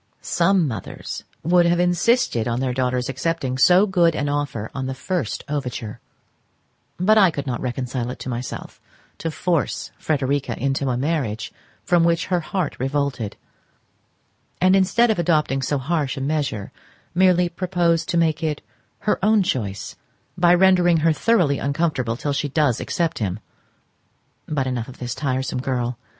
Some mothers would have insisted on their daughter's accepting so good an offer on the first overture; but I could not reconcile it to myself to force Frederica into a marriage from which her heart revolted, and instead of adopting so harsh a measure merely propose to make it her own choice, by rendering her thoroughly uncomfortable till she does accept him—but enough of this tiresome girl.